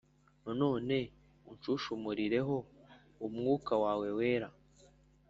none unshunshumurireho umwuka wawe wera.